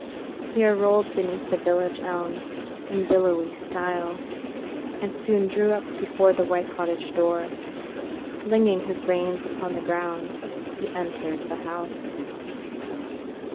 Pierre rolled beneath the village elms in billowy style, and soon drew up before the white cottage door. Flinging his reins upon the ground he entered the house.